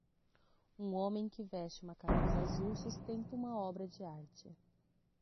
Um homem que veste uma camisa azul sustenta uma obra de arte.